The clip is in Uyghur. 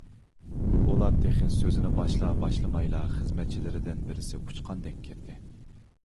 ئۇلار تېخى سۆزىنى باشلا - باشلىمايلا خىزمەتچىلىرىدىن بىرسى ئۇچقاندەك كىردى.